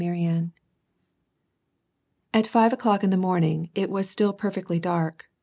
CHAPTER XIV. At five o'clock in the morning it was still perfectly dark.